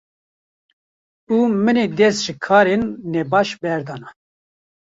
û min ê dest ji karên nebaş berdana.